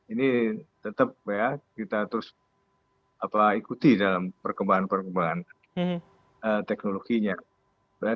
ini tetap ya kita terus ikuti dalam perkembangan perkembangan teknologinya